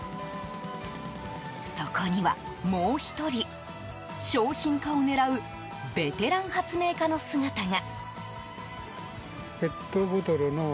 そこには、もう１人商品化を狙うベテラン発明家の姿が。